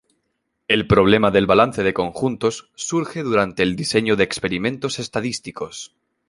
El problema del balance de conjuntos surge durante el diseño de experimentos estadísticos.